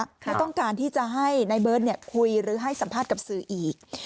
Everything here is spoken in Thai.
และต้องการที่จะให้นายเบิร์ตคุยหรือให้สัมภาษณ์กับสื่ออีก